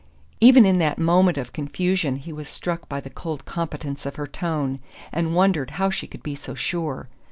Even in that moment of confusion he was struck by the cold competence of her tone, and wondered how she could be so sure.